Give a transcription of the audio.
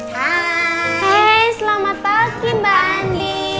hai selamat pagi mbak andi